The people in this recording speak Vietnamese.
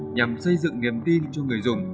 nhằm xây dựng nghiêm tin cho người dùng